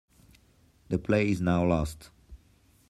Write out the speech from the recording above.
The play is now lost.